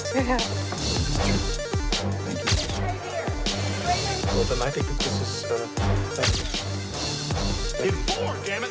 คุณผู้หญิงคุณผู้หญิง